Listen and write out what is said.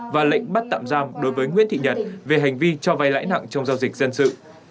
và lệnh bắt tạm giam đối với nguyễn thị nhật về hành vi cho vay lãi nặng trong giao dịch dân sự